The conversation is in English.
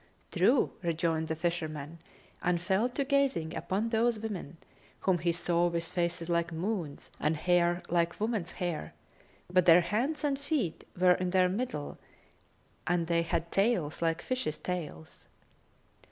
'" "True," rejoined the fisherman and fell to gazing upon those women, whom he saw with faces like moons and hair like women's hair, but their hands and feet were in their middle and they had tails like fishes' tails.